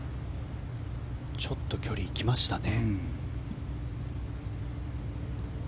ちょっと距離がいきましたね。